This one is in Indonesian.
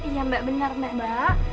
iya mbak benar mbak